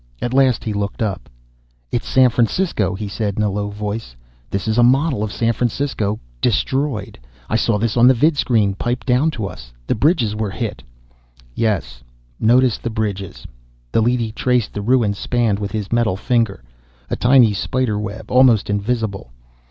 At last he looked up. "It's San Francisco," he said in a low voice. "This is a model of San Francisco, destroyed. I saw this on the vidscreen, piped down to us. The bridges were hit " "Yes, notice the bridges." The leady traced the ruined span with his metal finger, a tiny spider web, almost invisible.